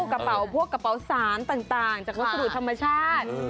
กระเป๋าพวกกระเป๋าสารต่างจากวัสดุธรรมชาติ